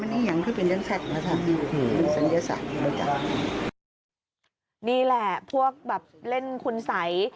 นี่แหละพวกเล่นคุณไส